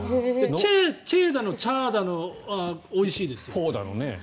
チェーだのチャーだのおいしいです。